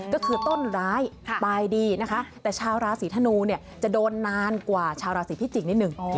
ก็คือต้นร้ายตายดีนะคะแต่ชาวราศีธนูเนี่ยจะโดนนานกว่าชาวราศีพิจิกนิดนึง